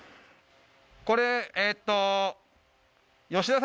これえっと。